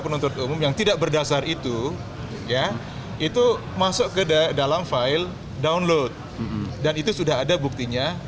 penuntut umum yang tidak berdasar itu ya itu masuk ke dalam file download dan itu sudah ada buktinya